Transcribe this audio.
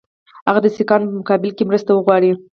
هغه د سیکهانو په مقابل کې مرسته وغواړي.